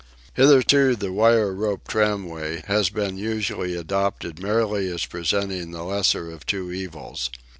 Hitherto the wire rope tramway has been usually adopted merely as presenting the lesser of two evils.